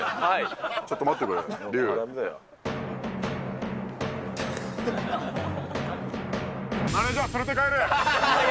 ちょっと待ってくれ、マネージャー、連れて帰れ。